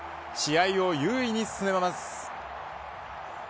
試合を優位に進めます。